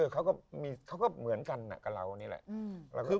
เขาก็เหมือนกันกับเรานี่แหละ